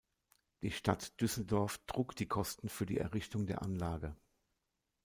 Die Stadt Düsseldorf trug die Kosten für die Errichtung der Anlage.